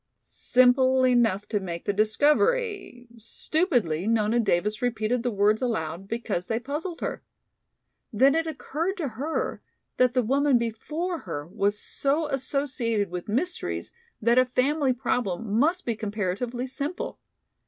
"Simple enough to make the discovery!" Stupidly Nona Davis repeated the words aloud, because they puzzled her. Then it occurred to her that the woman before her was so associated with mysteries that a family problem must be comparatively simple.